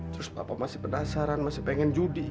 terus bapak masih penasaran masih pengen judi